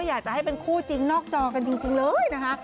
อยากจะให้เป็นคู่จริงนอกจอกันจริงเลยนะคะ